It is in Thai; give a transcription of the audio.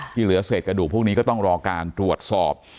เหลือเศษกระดูกพวกนี้ก็ต้องรอการตรวจสอบ